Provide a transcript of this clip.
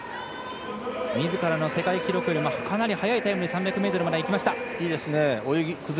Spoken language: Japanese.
みずからの世界記録よりもかなり速いタイムで３００ｍまで泳ぎ崩れてません。